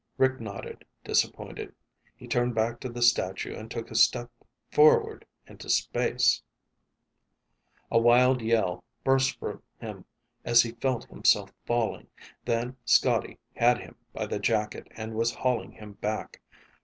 Rick nodded, disappointed. He turned back to the statue and took a step forward into space! A wild yell burst from him as he felt himself falling, then Scotty had him by the jacket and was hauling him back.